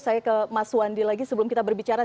saya ke mas wandi lagi sebelum kita berbicara